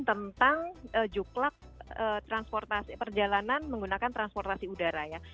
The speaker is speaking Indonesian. tentang juklak perjalanan menggunakan transportasi udara ya